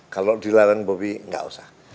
kalau dilarang bopi gak usah